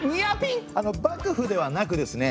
あの幕府ではなくですね